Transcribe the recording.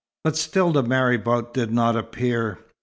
But still the marabout did not appear.